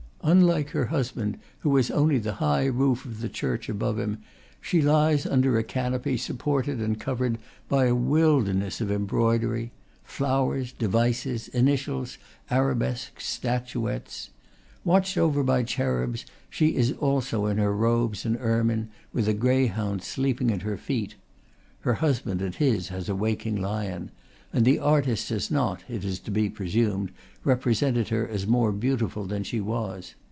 Unlike her husband, who has only the high roof of the church above him, she lies under a canopy supported and covered by a wilderness of embroidery, flowers, devices, initials, arabesques, statuettes. Watched over by cherubs, she is also in her robes and ermine, with a greyhound sleeping at her feet (her husband, at his, has a waking lion); and the artist has not, it is to be presumed, represented her as more beautiful than she was.